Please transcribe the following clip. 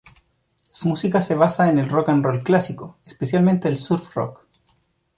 Su música se basa en el Rock'n'roll clásico, especialmente el Surf Rock.